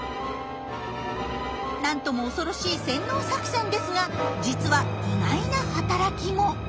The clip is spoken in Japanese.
なんとも恐ろしい洗脳作戦ですが実は意外な働きも。